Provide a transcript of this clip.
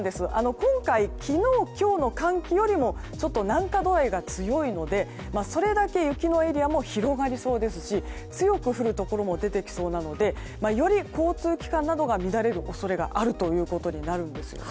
今回、昨日、今日の寒気よりも南下度合いが強いのでそれだけ雪のエリアも広がりそうですし強く降るところも出てきそうなのでより交通機関などが乱れる恐れがあることになるんです。